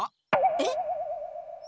えっ？